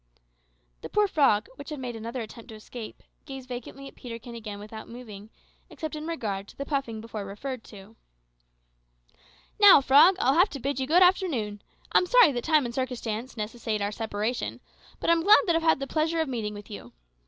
The poor frog, which had made another attempt to escape, gazed vacantly at Peterkin again without moving, except in regard to the puffing before referred to. "Now, frog, I'll have to bid you good afternoon. I'm sorry that time and circumstance necessitate our separation, but I'm glad that I have had the pleasure of meeting with you.